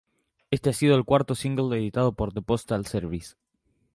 Este ha sido el cuarto single editado por The Postal Service.